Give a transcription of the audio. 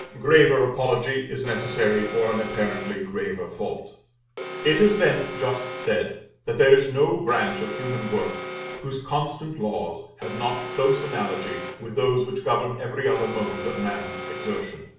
Graver apology is necessary for an apparently graver fault. It has been just said, that there is no branch of human work whose constant laws have not close analogy with those which govern every other mode of man's exertion.